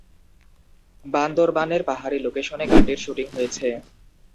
বান্দরবানের পাহাড়ি লোকেশনে গানটির শুটিং হয়েছে।